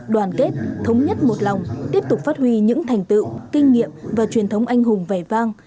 đoàn kết thống nhất một lòng tiếp tục phát huy những thành tựu kinh nghiệm và truyền thống anh hùng vẻ vang